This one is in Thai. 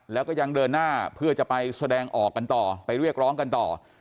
แล้วก็ยังเดินหน้าเพื่อจะไปแสดงออกกันต่อไปเรียกร้องกันต่อ